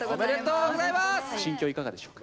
心境いかがでしょうか。